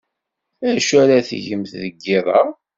D acu ara tgemt deg yiḍ-a?